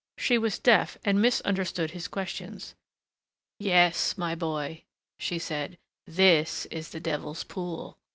She was deaf, and misunderstood his questions. "Yes, my boy," she said, "this is the Devil's Pool.